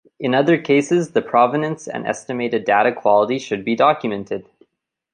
In other cases, the provenance and estimated data quality should be documented.